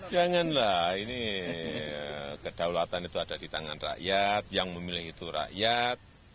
janganlah ini kedaulatan itu ada di tangan rakyat yang memilih itu rakyat